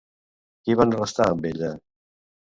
Qui van arrestar amb ella?